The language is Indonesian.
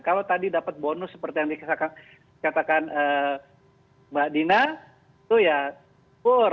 kalau tadi dapat bonus seperti yang dikatakan mbak dina itu ya syukur